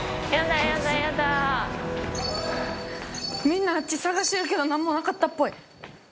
みんなあっち探してるけど何もなかったっぽい。